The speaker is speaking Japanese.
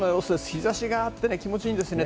日差しがあって気持ちいいんですね。